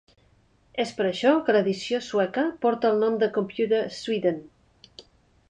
És per això que l'edició sueca porta el nom de Computer Sweden.